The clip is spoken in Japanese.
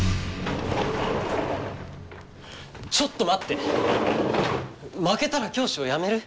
ちょっと待って負けたら教師をやめる？